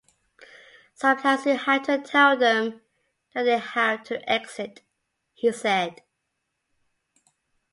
Sometimes you have to tell them that they have to exit, he said.